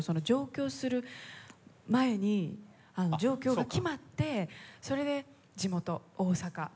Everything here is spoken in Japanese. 上京する前に上京が決まってそれで地元大阪。